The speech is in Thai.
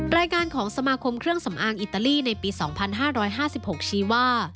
รายการของสมาคมเครื่องสำอางอิตาลีในปี๒๕๕๖ชี้ว่า